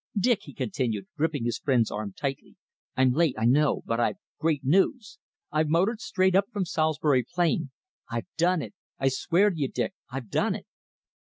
"Dick," he continued, gripping his friend's arm tightly, "I'm late, I know, but I've great news. I've motored straight up from Salisbury Plain. I've done it! I swear to you, Dick, I've done it!"